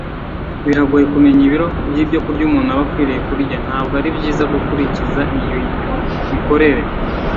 biragoye kumenya ibiro by'ibyokurya umuntu aba akwiriye kurya. ntabwo ari byiza gukurikiza iyo mikorere